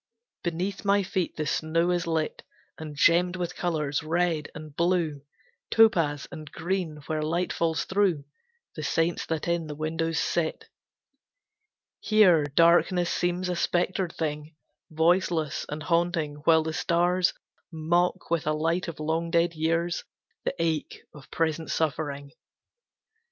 Beneath my feet the snow is lit And gemmed with colours, red, and blue, Topaz, and green, where light falls through The saints that in the windows sit. Here darkness seems a spectred thing, Voiceless and haunting, while the stars Mock with a light of long dead years The ache of present suffering.